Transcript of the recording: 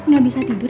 gak bisa tidur